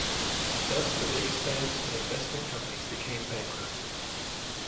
Thus the biggest banks and investment companies became bankrupt.